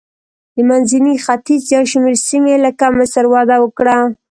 د منځني ختیځ یو شمېر سیمې لکه مصر وده وکړه.